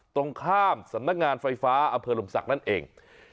ตรงข้ามสำนักงานไฟฟ้าอำเภอลมศักดิ์นั่นเอง